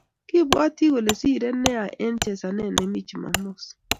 Kibwati kole sire nea eng chesanet nime chumamos.